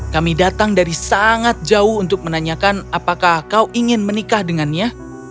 kami datang dari sangat jauh untuk menanyakan apakah kau ingin menikah dengannya